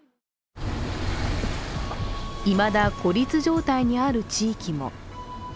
いまだ孤立状態にある地域も。